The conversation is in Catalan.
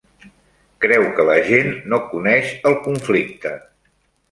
Creu que la gent no coneix el conflicte.